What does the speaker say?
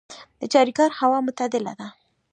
د چاریکار هوا معتدله ده